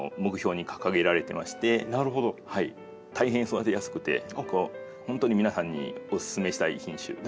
大変育てやすくて何か本当に皆さんにお勧めしたい品種です。